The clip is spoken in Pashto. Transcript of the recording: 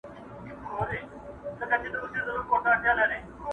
دايي گاني چي ډېري سي، د کوچني سر کوږ راځي.